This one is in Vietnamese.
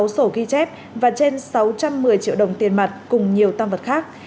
sáu sổ ghi chép và trên sáu trăm một mươi triệu đồng tiền mặt cùng nhiều tam vật khác